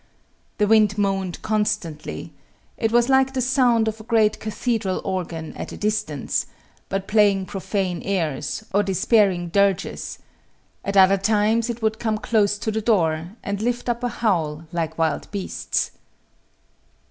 The wind moaned constantly it was like the sound of a great cathedral organ at a distance, but playing profane airs, or despairing dirges; at other times it would come close to the door, and lift up a howl like wild beasts.